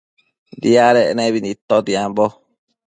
Diadec nebi nidtotiambo